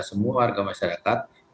semua warga masyarakat